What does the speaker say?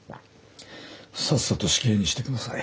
さっさと死刑にしてください。